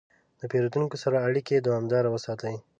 د پیرودونکو سره اړیکه دوامداره وساتئ.